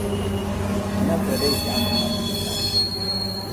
Quin altre déu hi ha amb un nom similar?